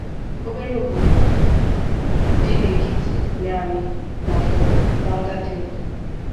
obere obodo dị n’ekiti Miami na Fort Lauderdale